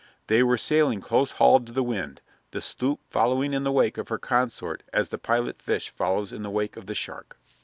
They were sailing close hauled to the wind, the sloop following in the wake of her consort as the pilot fish follows in the wake of the shark.